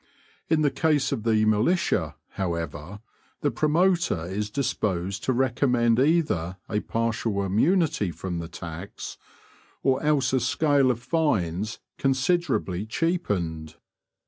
In the case of the militia, however, the promoter is disposed to recommend either a partial immunity from the tax or else a scale of fines considerably cheapened.